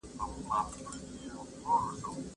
تاسو باید د تاریخ په اړه خپله پوهه زیاته کړئ.